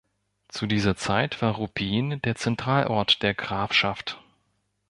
Zu dieser Zeit war Ruppin der Zentralort der Grafschaft.